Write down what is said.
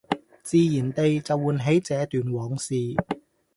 自然地就喚起這段往事